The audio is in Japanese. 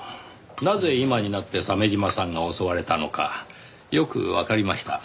なぜ今になって鮫島さんが襲われたのかよくわかりました。